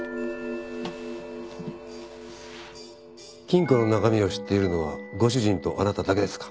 金庫の中身を知っているのはご主人とあなただけですか？